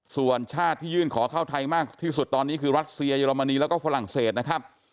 ส่วนชาติที่ยื่นขอเข้าไทยมากที่สุดตอนนี้คือรัสเซียเยอรมนีแล้วก็ฝรั่งเศสนะครับ